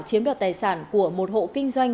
chiếm đoạt tài sản của một hộ kinh doanh